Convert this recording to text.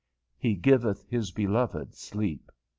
"He giveth his beloved sleep."